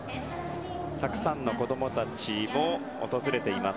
たくさんの子供たちも訪れています